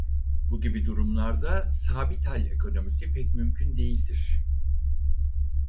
Bu gibi durumlarda sabit hal ekonomisi pek mümkün değildir.